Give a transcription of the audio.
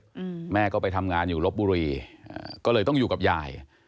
อืมแม่ก็ไปทำงานอยู่ลบบุรีอ่าก็เลยต้องอยู่กับยาย